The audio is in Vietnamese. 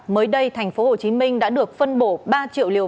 mới đây tp hcm đã được phân bổ ba triệu liều